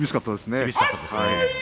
厳しかったですね。